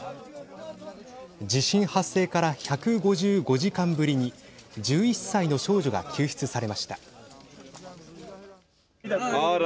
地震発生から１５５時間ぶりに１１歳の少女が救出されました。